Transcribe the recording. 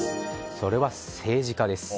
それは政治家です。